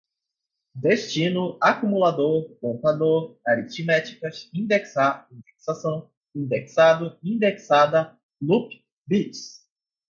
destino, acumulador, contador, aritméticas, indexar, indexação, indexado, indexada, loop, bits